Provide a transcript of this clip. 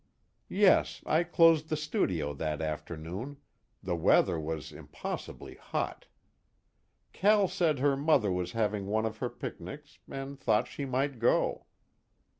"Yes. I closed the studio that afternoon the weather was impossibly hot. Cal said her mother was having one of her picnics, and thought she might go.